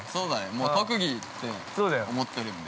もう特技と思ってるんで。